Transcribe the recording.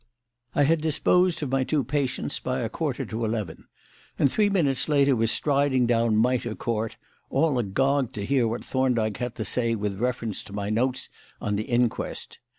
I had disposed of my two patients by a quarter to eleven, and three minutes later was striding down Mitre Court, all agog to hear what Thorndyke had to say with reference to my notes on the inquest.